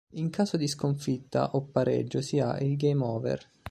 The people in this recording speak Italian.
In caso di sconfitta o pareggio si ha il game over.